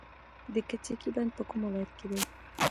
د کجکي بند په کوم ولایت کې دی؟